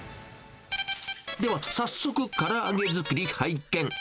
では早速、から揚げ作り拝見。